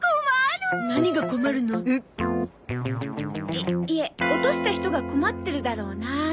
いっいえ落とした人が困ってるだろうなあって。